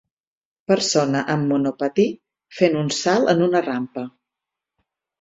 persona amb monopatí fent un salt en una rampa